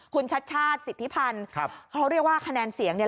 คุณชัดชาติสิทธิพันธ์ครับเขาเรียกว่าคะแนนเสียงเนี่ย